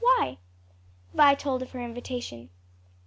Why?" Vi told of her invitation.